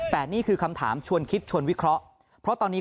แต่นี่คือคำถามชวนคิดชวนวิเคราะห์เพราะตอนนี้